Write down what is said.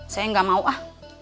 saya gak mau ah